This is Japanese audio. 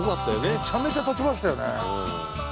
めちゃめちゃ建ちましたよね。